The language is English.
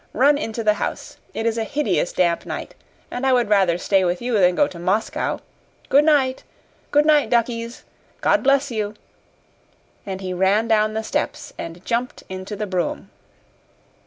Run into the house. It is a hideous damp night. I would rather stay with you than go to Moscow. Good night! Good night, duckies! God bless you!" And he ran down the steps and jumped into the brougham.